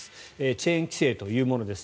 チェーン規制というものです。